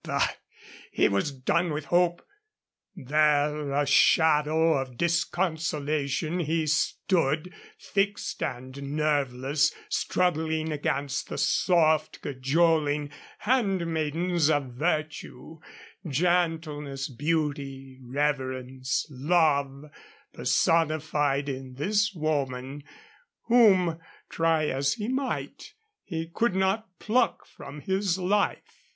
Bah! He was done with hope. There, a shadow of disconsolation, he stood, fixed and nerveless, struggling against the soft, cajoling hand maidens of Virtue Gentleness, Beauty, Reverence, Love personified in this woman, whom, try as he might, he could not pluck from his life.